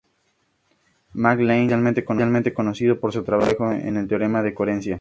Mac Lane es especialmente conocido por su trabajo en teoremas de coherencia.